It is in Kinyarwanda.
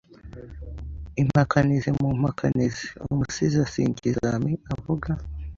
Impakanizi Mu mpakanizi umusizi asingiza ami avuga